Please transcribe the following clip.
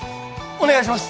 お願いします。